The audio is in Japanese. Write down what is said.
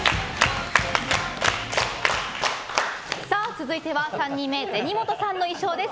続いては３人目銭本さんの衣装です。